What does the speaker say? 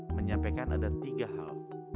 menyampaikan ada tiga hal